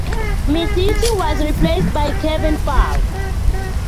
Micciche was replaced by Kevin Falk.